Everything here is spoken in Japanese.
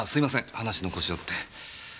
話の腰を折って。